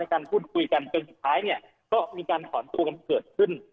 การพูดคุยกันจนสุดท้ายเนี่ยก็มีการถอนตัวกันเกิดขึ้น